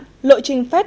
thưa quý vị và các bạn